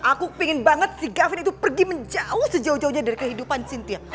aku pengen banget si gavin itu pergi menjauh sejauh jauhnya dari kehidupan cynthia